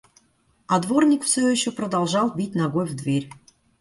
А дворник всё ещё продолжал бить ногой в дверь.